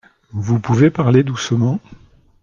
Vous pouvez parler doucement ?